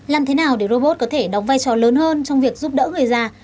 làm thế nào để robot có thể đóng vai trò lớn hơn trong việc giúp đỡ người già